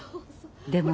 でも